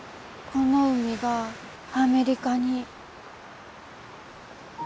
この海がアメリカに。